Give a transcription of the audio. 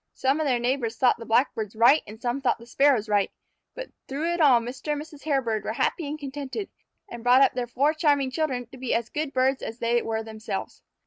Some of their neighbors thought the Blackbirds right and some thought the Sparrows right, but through it all Mr. and Mrs. Hairbird were happy and contented, and brought up their four charming children to be as good birds as they were themselves.